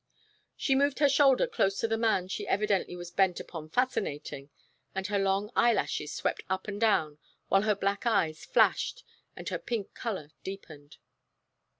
She moved her shoulder closer to the man she evidently was bent upon fascinating, and her long eyelashes swept up and down while her black eyes flashed and her pink color deepened.